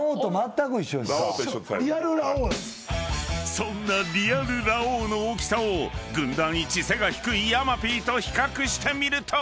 ⁉［そんなリアルラオウの大きさを軍団いち背が低い山Ｐと比較してみると］